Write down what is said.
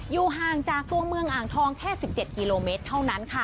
อยู่ห่างจากตัวเมืองอ่างทองแค่๑๗กิโลเมตรเท่านั้นค่ะ